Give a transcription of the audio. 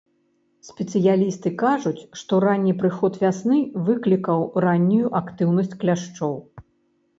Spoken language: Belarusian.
Спецыялісты кажуць, што ранні прыход вясны выклікаў раннюю актыўнасць кляшчоў.